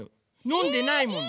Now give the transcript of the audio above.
のんでないもの。